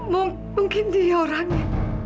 mungkin dia orangnya